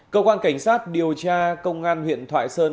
cơ quan cảnh sát điều tra công an huyện thoại sơn